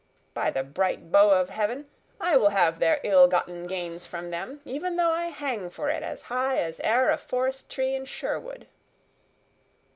By the bright bow of Heaven, I will have their ill gotten gains from them, even though I hang for it as high as e'er a forest tree in Sherwood!"